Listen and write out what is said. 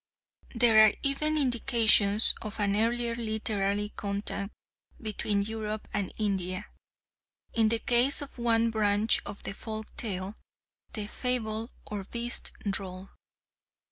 There are even indications of an earlier literary contact between Europe and India, in the case of one branch of the folk tale, the Fable or Beast Droll.